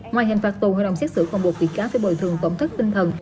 ngoài hành phạt tù hội đồng xét xử còn buộc bị cáo phải bồi thường tổng thất tinh thần